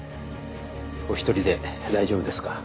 お一人で大丈夫ですか？